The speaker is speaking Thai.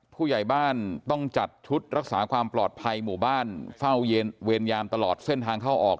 ผู้ใหญ่บ้านต้องจัดชุดรักษาความปลอดภัยหมู่บ้านเฝ้าเวรยามตลอดเส้นทางเข้าออก